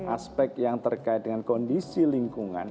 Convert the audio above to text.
aspek yang terkait dengan kondisi lingkungan